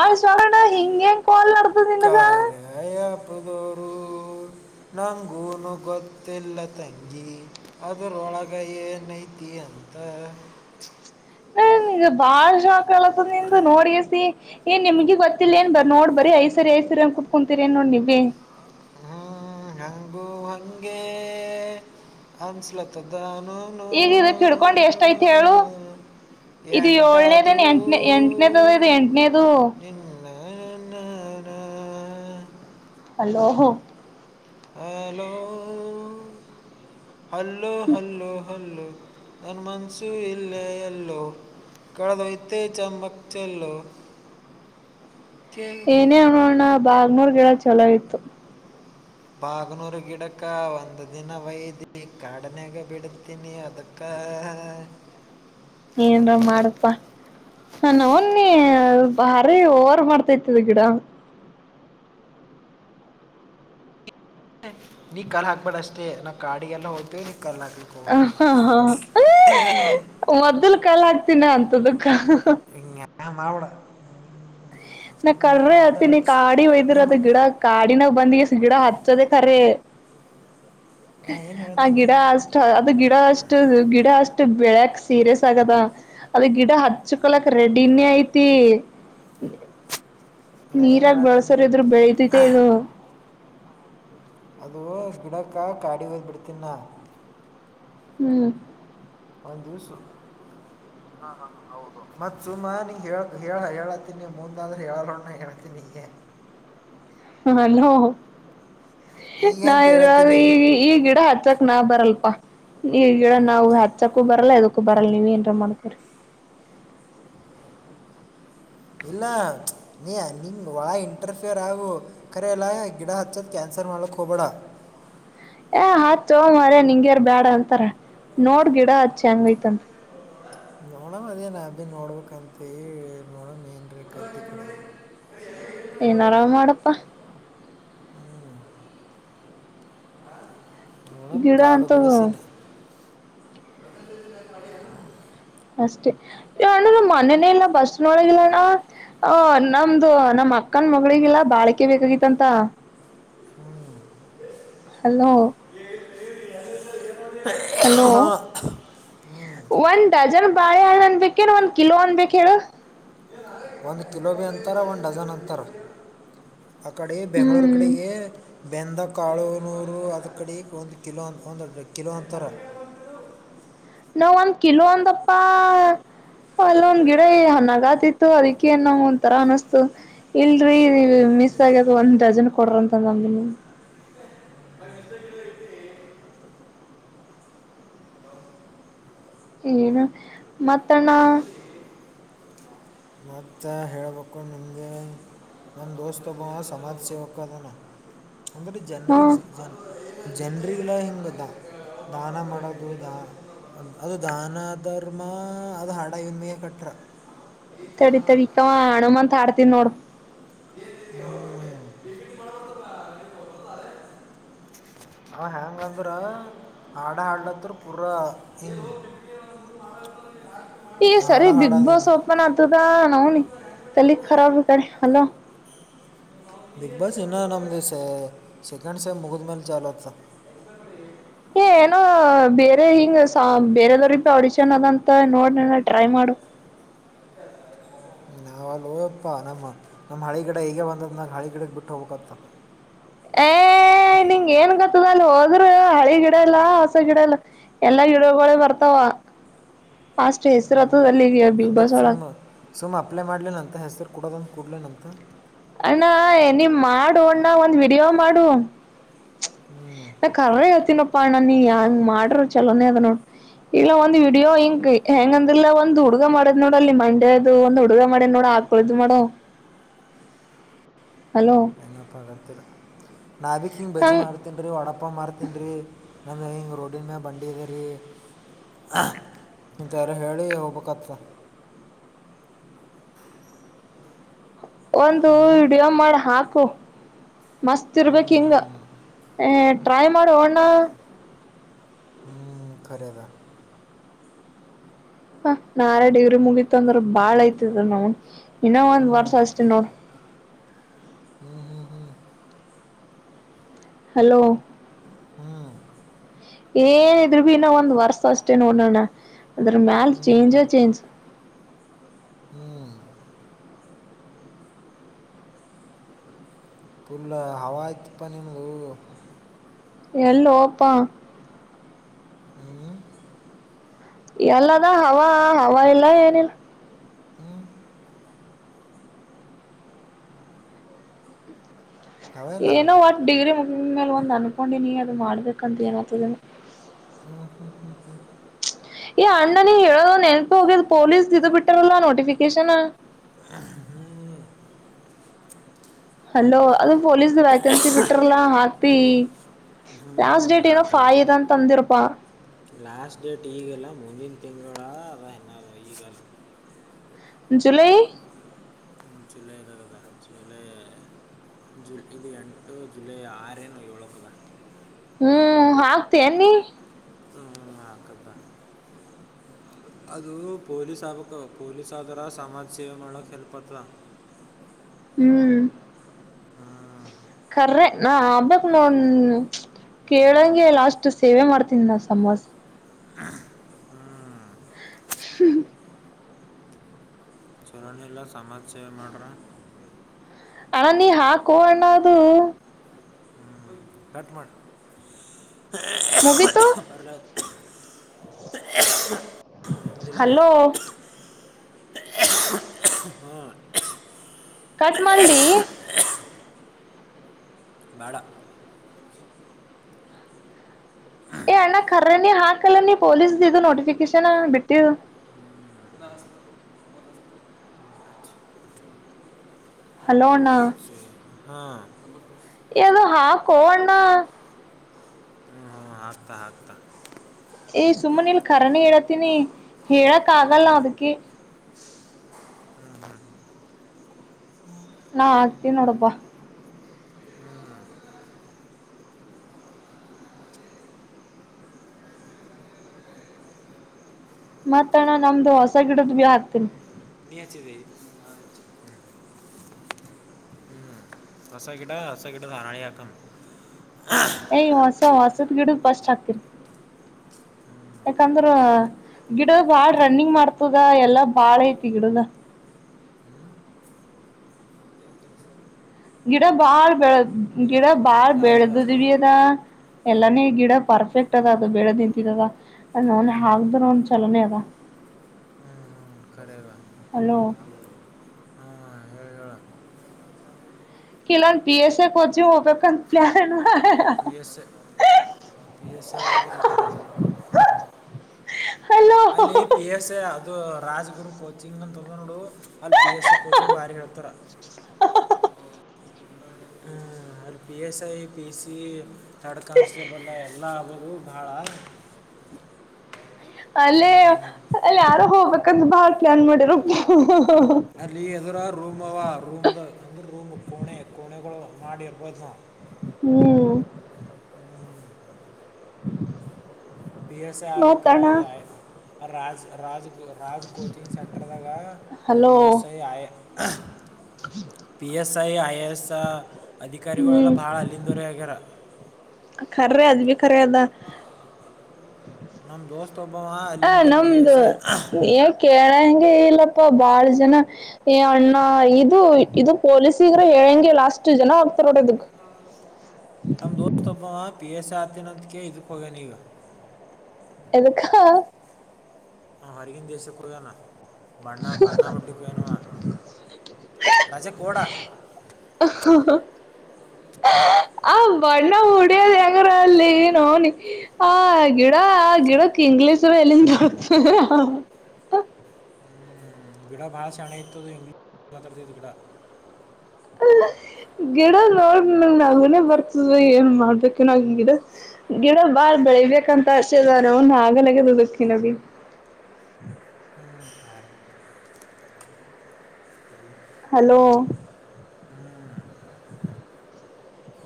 ಆ ಶೋರಣ್ಣ ಹಿಂಗೆಂಗ್ ಕಾಲ ನೆಡೆದದ ನಿಂಗ್ ಯಾ ಅಪ್ಪದೋರುೂ ನಂಗೂನು ಗೊತ್ತಿಲ್ಲ ತಂಗಿ ಅದರೊಳಗೆ ಏನ ಐತಿ ಅಂತ ನಂಗ್ ಬಾಳ ಶಾಕ್ ಅಗಲಕಾಂತದ ನಿಂದ ನೋಡಿಸಿ ಏ್ ನಿಮ್ಗೊತ್ತಿಲ್ಲ ಏನ್ ಬರಿ ನೋಡ್ ಬರ ಐ ಸರಿ ಐ ಸರಿ ಅಂತ ಕುತ್ಕೊಂತೀರಿ ಏನ್ ನೋಡ್ ನೀಬಿ ಹ್ಮ್ ಹಂಗು ಹಂಗಗೆ ಅನ್ಸ್ಲತ್ತದದಾನು ಈಗ ಇದಕ ಹಿಡ್ಕೊಂಡು ಎಷ್ಟ ಐತ್ ಹೇಳು ಇದು ಏಳ್ನೇದನ ಎಂಟಾದು ಎಂಟನೇ ಎಂಟನೇದದ ಇದು ಎಂಟನೇದು ತಿನ್ನ ಅನ್ನನ hello hello hello hello hello ನನ್ನ ಮನಸೂ ಇಲ್ಲೇ ಎಲ್ಲೋ ಕಳ್ದ ಹೋಯ್ತೆ ಚಮ್ಮಕ ಚಲ್ಲೋ ಏನೇ ಅನ್ನು ಅಣ್ಣ ಬಾಗ್ನೂರ ಗಿಡ ಚಲೋ ಇತ್ತು ಬಾಗನೂರು ಗಿಡಕ ಒಂದು ದಿನ ವಯದಿ ಕಾಡನ್ಯಾಗ ಬಿಡತೀನಿ ಅದಕ್ಕ ಕ ಏನ್ರ ಮಾಡಪ್ಪಾ ಹ ನವನಿ ಭಾರಿ ಒರ್ ಮಾಡ್ತಾ ಇತದ ಗಿಡ ನೀ ಕಲ್ಲಲ್ ಹಾಕ್ಬಾರ್ದ ಅಷ್ಟೇ ನಾ ಕಾಡಿಗೆಲ್ಲ ಹೋದ್ತೇವಿ ನೀ ಕಲ್ಲ ಹಾಕ್ ಹ ಹಾ ಹ ಮೊದ್ಲು ಕಾಲ ಆಗ್ತೀಿನ ಅಂತದಕ್ಕ ಮಾ ಅವಡ ನಾ ಕರ್ರೆ ಹತ್ತಿನ ಕಾಡಿ ಒಯದ್ದ್ರ ನಿಮ್ಮ ಅದ ಗಿಡ ಕಾಡಿನಾಗ ಬಂದಗ ಸಿಗಿಡ ಹಚ್ಚೋದೆ ಖರೆೇ ನಾ ಏನು ಆ ಹೇಳ್ತೀನಿ ಗಿಡ ಅಷ್ಟ ಅದು ಗಿಡ ಅಷ್ಟು ಗಿಡ ಅಷ್ಟು ಬೆಳ್ಯಕ್ ಸೀರಿಯಸ್ ಆಗದ ಅದ ಗಿಡ ಹಚ್ಕೊಳಕ್ ರೆಡಿನೇ ಐತಿ ನಾ ಏನು ನೀರಾಗ ಹೇಳ್ತೀನಿ ಬಳಸರ್ ಇದ್ರು ಬೆಳತಿದೆ ಇದು ಅದು ಗಿಡಕ್ಕ ಕಾಡಿ ಹೋದ್ ಬಿಡ್ತನ್ ನಾ ಹ್ಮ್ ಒಂದ ದಿವ್ಸು [inaudible] ಹ ಹೌದು ಮತ್ ಸುಮಾ ನೀ ಹೇಳ ಹೇಳ ಹೇಳತೀನಿ ಮುಂದ ಅಂದ್ರೆ ಹೇಳೋ ನ ಹೇಳತೀನಿ ಈಗೆ ಹಲೋ ಈಗ ನಾ ಅಂತ ಇದ್ರ ಹೇಳತ್ತೀನಿ ಈಗ ಈ ಗಿಡ ಹಚ್ಚಕ್ ನಾ ಬರಲ್ಲಪ್ಪಾ ಈ ಗಿಡ ನಾವು ಹಚ್ಚಕು ಬರಲ್ಲ ಎದಕ್ಕೂ ಬರಲ್ಲ ನೀವ ಏನ್ರ ಮಾಡ್ಕೋರಿ ಇಲ್ಲಾ ನೀ ನಿಂಗೆ ಒಳ ಇಂಟರ್ಫಿಯರ್ ಆಗು ಕರೆ ಅಲ್ ಗಿಡ ಹಚ್ಚೋದು ಕ್ಯಾನ್ಸಲ್ ಮಾಡ್ಲಕ್ಕೆ ಹೋಗಬೇಡ. ಏ ಹಚ್ಚೊ ಮಾರಾಯ ನಿಂಗ್ಯಾರ್ ಬ್ಯಾಡ ಅಂತಾರ ನೋಡ್ ಗಿಡ ಹಚ್ಚ ಹೆಂಗ ಐತಿಯಂತ. ನೋಡೋಣ ಅದೇ ನಾಬಿ ನೋಡ್ಬೇಕಂತ ನೋಡೋಣ ಏನರ ಕಡ್ಡಿ. ಏನ್ ಆರಾಮ್ ಮಾಡಪ್ಪಾ. ನ ಗಿಡ ಕಾಡುಗಳ ಅಂತವು ಸಿಿನಿ. ಅಷ್ಟೇ ಮನೇನೇ ಇಲ್ಲ ಬಸ್ನೊಳಗಿಲ್ಲಣ್ಣ. ಹ ನಮ್ದು ನಮ ಅಕ್ಕನ್ ಮಗಳಿಗಿಲ್ಲಾ ಬಾಳಿಕೆ ಬೇಕಾಗಿತ್ತಂತ. ಹಲೋ. [inaudible] ಹಲೋ. ಒಂದ್ ಡಜನ್ ಬಾಳೆಹಣ್ಣು ಅನ್ಬೇಕ ಒಂದ್ ಕಿಲೋ ಅನ್ಬೇಕು ಹೇಳು. [inaudible] ಒಂದು ಕಿಲೋ ಬಿೀ ಅಂತಾರೆ ಒಂದು ಡಝನ್ ಅಂತಾರೆ ಆ ಕಡೆ ಬೆಂಗ್ಳೂರು ಹ್ಮ್ ಕಡೆಗೆ. ಬೆಂದ ಕಾಳುನೂರು ಅದ ಕಡೆಗೆ ಒಂದು ಕಿಲೋ ಅಂತ ಒಂದುಡು ಕಿಲೋ ಅಂತಾರೆ. ನಾವ್ ಒಂದ್ ಕಿಲೋ ಒಂದಪ್ಪಾ ಅಲ್ಲ ಒಂದ್ ಗಿಡ ಹನ್ನಗತಿ. ಅದಕ್ಕೆೇ ನಾವು ಒಂಥರ ಅನಿಸ್ತು. ಇಲ್ರರಿ ಮಿಸ್ ಆಗ್ಯದ ಒಂದ್ ಡಜನ್ ಕೊಡ್ರ ಅಂತಂದ. ಹ್ಮ್. ಏನು ಮತ್ತಣ್ಣ. ಮತ್ತು ಹೇಳಳ್ಬೇಕು ನಮದೇ ನನ್ನ ದೋಸ್ತಬ್ಬ ಸಮಾಜ ಸೇವಕ ಅದಾನ. ಅಂದ್ರೆ ಹ್ಮ ಜನ್ರಿಗೆ ಜನ್ ಜನ್ರಿಗೆಲ್ಲ ಹೆಂಗಗೆ ಗದ. ದಾನ ಮಾಡೋದು ದಾ. ಅದು ದಾನ ಧರ್ಮ ಅದು ಹಾಡ ಇವನ್ ಮಗೆ ಕಟ್ರ. ತಡಿ ತಡಿ ಹಣು ಅಡಮಾ ಅಂತ ಆಡ್ತೀನ್ ನೋಡು. ಹಮ್ಮ್. ಅವ ಹೆಂಗ ಅಂದ್ರ ಹಾಡು ಹಾಡ್ತ್ ಪೂರ ಹಿಂದ. [inaudible] ಈ ಸರಿ ಬಿಗ್ ಬಾಸ್ ಓಪನ್ ಆತದಾ ನೋನಿ ತಲಕ್ಖರಾಬ್ ಕಡೆ ಅಲ. ಬಿಗ್ ಬಾಸ್ ಇನ್ನ ನಮ ದ ಸ ಸೆಕೆಂಡ್ ಸ ಮುಗುದ ಮೇಲ್ ಚಾಲತ. ಕತ [inaudible] ಏ ಏನೋ ಬೇರೆ ಹಿಂಗ ಬೇರೆದವ್ರ ಅಡಿಚನ್ ಅದಂತ ನೋಡ ಟ್ರೈ ಮಾಡು. ನಾವವು ಅಲ್ಲಿ ಹೋಯಪ್ಪ ನಮ್ಮ ನಮ್ಮ ಹಳಿ ಕಡೆ ಈಗ ಬಂದದ ನಂಗೆ ಹಳಿಗಡೆಗೆ ಬಿಟ್ಟು ಹೋಗ್ಬೇಕತ್ತ. ಏ ನಿಂಗ ಏನ್ ಗೊತ್ತದ ಅಲ್ಲಿ ಹೋದ್ರರು ಹಳಿ ಗಿಡ ಎಲ್ಲಾ ಹಸ ಗಿಡ ಎಲ್ಲ. ಎಲ್ಲಾ ಗಿಡ ಬರ್ತಾವ ಅಷ್ಟ ಹೆಸರುತದ ಅಲ್ಲಿಗೆ ಬಿಗ್ ಅಂದ್ರೆ ಬಾಸ್ ಒಳಗ. ಸುಮ್ಮ ಸುಮ್ಮ ಅಪ್ಲೈ ಮಾಡ್ಲನ ಅಂತ ಹೆಸರು ಕೊಡೋದಂತ ಕೊಡ್ಲೇನ ಅಂತ. ಅಣ್ಣ ನೀಮ್ ಮಾಡ ಅಣ್ಣ ಒಂದ್ ವಿಡಿಯೋ ಮಾಡು. ಹ್ಮ್. ಕರ್ರ ಹೇಳ್ತನಪ್ಪಾ ಅಣ್ಣ ನೀ ಹೆಂಗ್ ಮಾಡ್ರರು ಚಲೋನೆ ಅದ ನೋಡ್. ಇಲ್ಲ ಒಂದು ವಿಡಿಯೋ ಇಂ ಹೆಂಗ ಅಂದ್ರಿಲ್ಲ ಒಂದು ಹುಡುಗಾ ಮಾಡೋ್ ನೋಡ ಅಲ್ಲಿ ಮಂಡ್ಯದದು ಒಂದು್ ಹುಗ ಮಾಡದ್ ನೋಡ. ಕೊಳದು ಮೇಡಮ. ಹಲೋ ಏನಪ್ಪ ಆಗತ್ತಿಲ್ಲ ನಾ ಬಿಿಕ್ ಹಿಂಗ ಬಜಿ ಹಂಗ್ ಮಾಡತ. ತೀನ್ಿ ರೀ ಒಡಪ್ಪ ಮಾರ್ತೀನ್ಿ ರೀ ನಂದು ಹಿಂಗೆ ರೋಡಿನ ಮೇಲೆ ಬಂಡಿ ಇದೆ ರೀ. ಇಥಲ್ಲ ಹೇಳಿ ಹೋಗ್ಬೇಕತ್ತ ಒಂದು ಹ್ಞೂ ವಿಡಿಯೋ ಮಾಡಿ ಹಾಕು ಮಸ್ತ್ ಹ್ಞೂ ಇರ್ಬೇಕು ಹಿಂಗ. ಹ ಟ್ರೈ ಮಾಡು ಅಣ್ಣ. ಹ್ಮ ಕರೆ ದ ಹ ನಾರ ಡೇವ್ರಿ ಮುಗತ್ ಅಂದ್ರ ಬಾಳ ಐತದ್ ನಾವ ಇನ್ನೊ ಒಂದ್ ಹ್ಞೂ ವರ್ಷ ಅಷ್ಟೇ ನೋಡ್ರಿ ಹ್ಮ್ ಹ್ಮ್ ಹ್ಮ್ ಹಲೋ ಹ್ಮ್ ಏನ ಇದ್ರು ಭ ಇನ್ನ ಒಂದ್ ವರ್ಸ ಅಷ್ಟೇ ನೋಡೋಣ ಅದ್ರ ಮ್ಯಾಲ ಹ್ಞೂ ಚೇಂಜ ಚೇಂಜ್ ಹ್ಮ್ ಫುಲ್ ಹವ ಆಯ್ತಪ್ಪ ನಿಮ್ಮ್ದು ಎಲ್ಲಪ್ಪಾ ಹ್ಮ ಎಲ್ಲದ ಹವ ಹವ ಇಲ್ಲ ಏನಿಲ್ಲ ಹಾ ಹವಾ ಇಲ್ಲ ಏನೋ ಅಟ್ ಡಿಗ್ರಿ ಮುಗ ಮೇಲೆ ಒಂದ್ ಅನ್ಕೊಂಡಿನಿ ಅದು ಮಾಡ್ಬೇಕಂತ ಏನತದ ಹಾ ಹಾ ಹಾ ಹಾ ಅಣ್ಣನ ಹೇಳೋದ ನೆನ್ಪು ಹೋಗ್ಯದ್ ಪೊಲೀಸ್ ತಿದ್ ಬಿಟ್ಟಾರಲ್ಲಾ ನೋಟಿಫಿಕೇಶನ್ ಹ್ಮ್ ಅಲೋ ಅದು ಪೊಲೀಸ್ ವ್ಯಾಕೆನ್ಸಿ ಬಿಟ್ರಲ್ಲಾ ಹಾತಿ ಹ್ಞೂ ಲಾಸ್ಟ್ ಡೇಟ್ ಏನೋ ಹಾಕದ ಫಾಯ್ದ ತಂದಿರುಪಾ ಲಾಸ್ಟ್ ಡೇಟ್ ಈಗಲ್ಲ ಮುಂದಿನ ತಿಂಗಳ ಅ ನ ಈಗಲ್ಲ. ಜುಲೈ ಹ ಜುಲೈದಾಗ ಆದ ಚಲೆ ಜು ಇದು ಎಂಟು ಜುಲೈ ಆರೇನು ಏಳಕದ ಹ್ಮ್ ಆಗ್ತ ಅನ್ನಿ ಹ್ಮ್ ಆಕಬ ಅದು ಪೊಲೀಸ್ಬಕ ಪೊಲೀಸಾದರ ಸಮಾಜ ಸೇವೆ ಮಾಡೋ ಎಲ್ಪತ್ರ ಹ್ಮ್ ಹಾ ಕರ್ರೆ ನಾ ಹಬ್ಬಕ್ ನೋ ಕೇಳಂಗೆ ಲಾಸ್ಟ್ ಸೇವೆ ಮಾಡ್ತನಿ ನಾ ಸಮೋಸ್ ಹ್ಮ ಚಲೋನ ಇಲ್ಲ ಸಮಾಜಸೇವೆ ಮಾಡ್ರ ಅಣ ನೀ ಹಾಕೋ ಅಣ್ಣ ಅದು ಟ್ ಮಾಡ ಮುಗೀತು ಅರ್ ಲ್ಲ ಹಲೋ ಹ್ಮ ಕಟ ಮಡ್ಲ್ದ ಹ ಬಡ ಏ ಅಣ್ಣ ಕರ್ರನಿ ಹಾಕಲ್ಲ ನೀ ಪೊಲೀಸ್ ಇದು ನೋಟಿಫಿಕೇಶನ್ ಬಿಟ್ಟಿದ್ದು ಹ್ಮ್ ನಸ್ತ ಹಲೋಣ ಹಾ ಯದುೋ ಹಾಕೋ ಅಣ್ಣ ಹಾಂ ಆಾಕ್ತಾ ಹ ಆಗ್ತಾ ಏ್ ಸುಮ್ಮನೆ ಇಲ್ ಖರನಿ ಹೇಳತೀನಿ ಹೇಳಕ್ ಆಗಲ್ಲ ಅದಕ್ಕೆ ಹ್ಮ್ ಹ್ಮ [inaudible] ನಾ- ಆಗ್ತೀ ನೋಡಪ್ಪಾ. ಮತ್ತ ಅಣ್ಣ ನಮ್ದು ಹೊಸ ಗಿಡದ ಭೀ ಹಾಕ್ತನಿ. ನೀಚಿದ್ದ [unintelligible] ಹ್ಮ್ ಹೊಸ ಗಿಡ ಹೊಸ ಗಿಡ ಹಾಣೇಕ್ಕಂ. ಏ -ಹೊಸ ಹೊಸದ್ ಗಿಡ ಫಸ್ಟ್ ಹಾಕ್ತಿರಿ ಯಾಕಂದ್ರ. ಗಿಡದ ಬಾಳ್ ರನ್ನಿಂಗ್ ಮಾಡ್ತದ ಎಲ್ಲಾ ಬಾಳ ಐತಿ ಗಿಡುನ್ನ ಜ [unintelligible] ಡಾ ಬಹಾರ [unintelligible] ಬೆಳಡ ಬಹಾರ ಚಾಲು ಬೆಳ ಬಾ [unintelligible] ಎಲ್ಲಾನೇ ಗಿಡ ಪರ್ಫೆಕ್ಟ್ ಅದ ಅದು ಬೆಳೆದ ನಿಂತಿದದ ನ್ -ಹಾದ್ರ ಒಂದ ಚಲನೆ ಅದ. ಹ್ಮ್ ಹ್ಮ್ [unintelligible] ಅಲೋ ರವ ಕೆಲವೊಂದು P S A [unintelligible] ಹೋಗ್ಬೇಕುಂದ plan P S A P S A ಉಪಕಲ್ತರ [unintelligible] hello ಅಲ್ಲಿ ಪಿ ಎಸ್ ಎ ಅದು ರಾಜ್ಗುರು ಕೋಚಿಂಗ್ ಅಂತಂದ ನೋಡು ಅಲ್ಲಿ ಪಿ ಎಸ್ ಎ ಕೋಚಿಂಗ್ ಬಾರಿ ಹೇಳ್ತಾರ. ಹ ಸ [inaudible] ಹ್ಞೂ ಅಲ್ಲಿ P S I P C third constable ಎಲ್ಲ ಆದು ಬಾಳ. ಅಲ್ಲೇ ಅಲ್ಲಿ ಯಾರೋ ಹೋಗ್ಬೇಕಂದ್ರ ಬಾಳ ಪ್ಲಾನ್ ಮಾಡಿರು. ಅಲ್ಲಿ ಎದರು ರೂಮ್ವ ರೂಮ್ ಅಂದ್ರ ರೂಮ್ ಕೋಣೆ ಕೋಣೆಗಳು ಮಾಡಿರ್ಬೋದ್ ನಾವು, ಹೂ ಪಿ ಎಸ್ ಐ ಆಲಕ ನೋತಣ -ಈ- ರಾಜ್ ರಾಜ್ ರಾಜ್ ಕಚಿಂಗ್ ಸೆಂಟರ್ದಾಗ ಹಲೋ ಪಿ ಎಸ್ಐ ಆಯ, P S I I A S ಅಧಿಕಾರಿಗಳೆಲ್ಲ ಹ್ಮ್ ಭಾಳ ಅಲ್ಲಿಂದವರೆ ಆಗ್ಯಾರ. ಖರ್ರ ಅ [unintelligible] ಭಖರ ಅದ ನಮ್ಮ ದೋಸ್ತ ಒಬ್ಬವ ಅಲ್ಲಿಂದ ಪಿ ಎಸ್ ಎ, ಕೇಳ ಹೆಂಗೆ ಇಲ್ಲಪ್ಪ ಬಾಳ ಜನ. ಏ- ಅಣ್ಣ ಇದು ಇದು ಪೊಲೀಸಗರ ಹೇಳಂಗೆ ಲಾಸ್ಟ್ ಜನ ಆಗ್ತಾರ ನೋಡದಕ್. ನಮ ದೋಸ್ತ್ ಒಬ್ಬ ಪಿ ಎಸ್ ಆತನಂತಕ ಇದಕ್ ಹೋಗೇ ನೀಗಾ. ಎದಕ್ಕಾ ಹಾ ಹಾಂ -ಹರಿಗಿಂದ ದೇಶಕ್ಕೋಯನಾ. ಬಣ್ಣ ಬಣ್ಣಾ ಬುಡ್ಟ್ಟಿಿ [unintelligible] ಗೆ ವಣವಾ ರಜೆ ಕಡಾ [unintelligible] ಅ [inaudible] ಬಣ್ಣ ಉಡಿಯೋದ ಹೆಂಗರ ಅಲ್ಲಿ ನೋನಿ. ಆ- ಗಿಡ -ಆ- ಗಿಡಕ್ಕೆ [unintelligible] ತಿಂಗ್ಲಸ ಎಲ್ಲಿಂದ ಹ್ಮ್ -ಗಿಡ ಭಾಷೆ ಹಣೆ ಇತದು ಇಂಗ್ಲೀಷ್ ಮಾತಾಡ್ತ್ ಗಿಡ. ಅ [unintelligible] ಗಿಡ ನೋಡಿ ನಂಗ ನಗನ ಬರ್ತದ ಏನ್ ಮಾಡ್ಬೇಕು- ನ -ಗಿಡ, ಗಿಡ ಬಾರ ಬೆಳಿಬೇಕಂತ ಅರ್ಷೆರ ನ ಆಗಲದು [unintelligible] ಖ ನೋಗಿ ಹ್ಮ್ -ಹ ಹಲೋ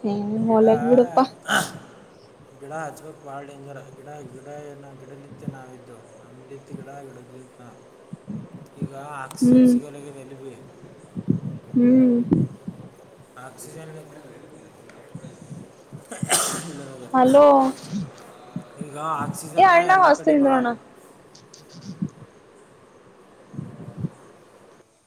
ಹ್ಮ ಗಿಡ -ಮೊಲಬೀಡಪ್ಪಾ. ಗಿಡ ಹಚ್ಕೋಕ್ ಬಾಳ ಇಂಜರ ಗಿಡ ಗಿಡ [unintelligible] ಗಿಡಲಂತೆ ನಾವಿದ್ದು. ನಮಲಿತ್ ಗಿಡ ಗಿಡದಲಿಂತ ನ ಈಗ ಆಕ್ಸಿಜನ್ ಹ್ಮ್ ಸಿಗಲಾಗಲ್ಲಿ ಬಿ ಹ್ಮ್ ಆಜ ಇಲ್ಲ ಹಲೋ [unintelligible] ಈಗ ಏ ಆಕ್ಸಿಜನ್ ಅಣ್ಣ ಎಲ್ಲ ಕಡೆ ಬಹಳ ಹಸ್ತಿಂದ್ರಣ್ಣ